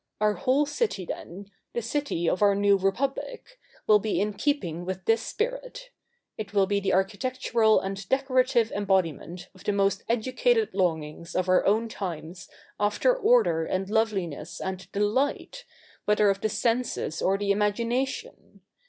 Our whole city, then — the city of our new Republic — will be in keeping with this spirit. It will be the architectural and decorative embodiment of the most educated longings of our own times after order and loveliness and delight, whether of the senses or the imagination.